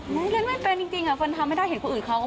เล่นไม่เป็นจริงเฟิร์นทำไม่ได้เห็นคนอื่นเขา